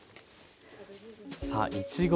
さあいちご